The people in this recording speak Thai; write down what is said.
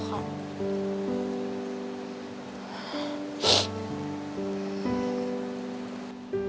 ผมคิดว่าสงสารแกครับ